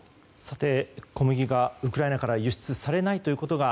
小麦がウクライナから輸出されないということが